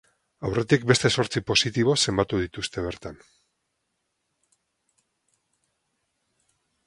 Aurretik beste zortzi positibo zenbatu zituzten bertan.